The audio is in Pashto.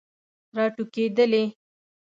راټوکیدلې